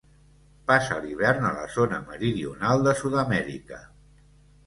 Passa l'hivern a la zona meridional de Sud-amèrica.